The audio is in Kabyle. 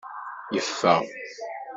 Yeffeɣ.